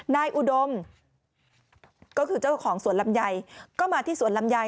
อุดมก็คือเจ้าของสวนลำไยก็มาที่สวนลำไย